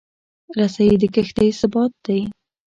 رسۍ د کښتۍ ثبات دی.